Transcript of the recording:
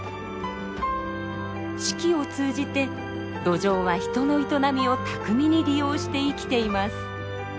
四季を通じてドジョウは人の営みを巧みに利用して生きています。